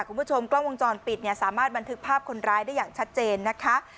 คุณผู้ชมกล้องวงจรปิดเนี่ยสามารถบันทึกภาพคนร้ายได้อย่างชัดเจนนะคะ